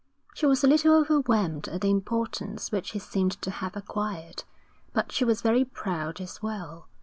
She was a little overwhelmed at the importance which he seemed to have acquired, but she was very proud as well.